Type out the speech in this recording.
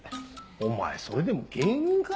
お前それでも芸人か？